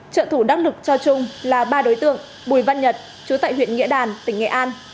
trợ thủ đắc lực cho trung là ba đối tượng bùi văn nhật chú tại huyện nghĩa đàn tỉnh nghệ an